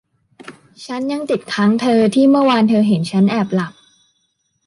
ฉันยังติดค้างเธอที่เมื่อวานเธอเห็นฉันแอบหลับ